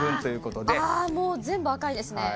もう、全部赤いですね。